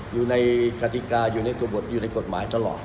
อยู่ในกติกาอยู่ในตัวบทอยู่ในกฎหมายตลอด